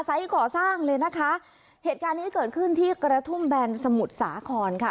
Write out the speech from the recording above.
ก่อสร้างเลยนะคะเหตุการณ์นี้เกิดขึ้นที่กระทุ่มแบนสมุทรสาครค่ะ